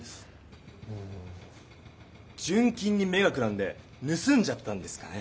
純金に目がくらんでぬすんじゃったんですかね？